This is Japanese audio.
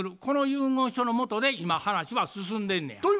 この遺言書のもとで今話は進んでんねや。